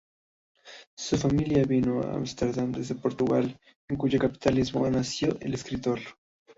Su familia vino a Ámsterdam desde Portugal, en cuya capital Lisboa nació el escritor.